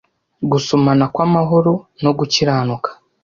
Gusomana kw'amahoro no gukiranuka